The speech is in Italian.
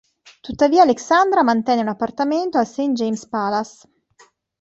Tuttavia Alexandra mantenne un appartamento a St. James's Palace.